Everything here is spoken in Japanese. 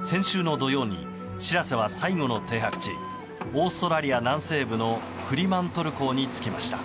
先週の土曜に「しらせ」は最後の停泊地オーストラリア南西部のフリマントル港に着きました。